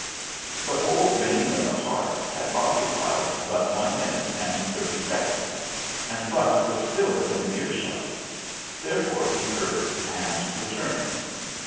The whole making of the Heart had occu pied but one minute and thirty seconds, and Phutt was still within earshot. Therefore he heard and returned.